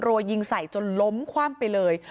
ตัวยิงใสจนล้มความไปเลย